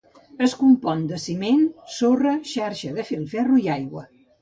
Es compon de ciment, sorra, xarxa de filferro i aigua.